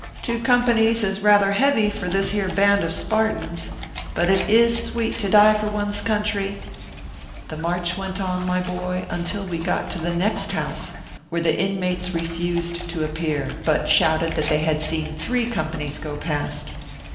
"Two companies is rather heavy for this here band of Spartans, but it is sweet to die for one s country/ The march went on, my boy, until we got to the next house, where the inmates refused to appear, but shouted that they had seen three companies go past.